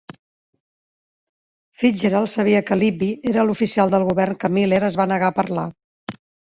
Fitzgerald sabia que Libby era l'oficial del govern que Miller es va negar a parlar.